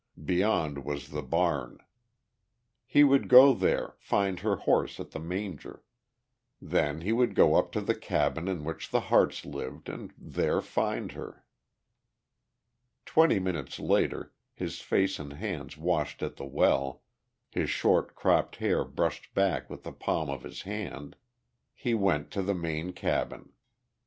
Beyond was the barn. He would go there, find her horse at the manger. Then he would go up to the cabin in which the Hartes' lived and there find her. Twenty minutes later, his face and hands washed at the well, his short cropped hair brushed back with the palm of his hand, he went to the main cabin.